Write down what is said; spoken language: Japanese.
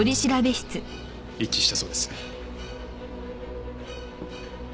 一致したそうです。